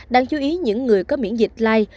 đáng chú ý những người có miễn dịch lai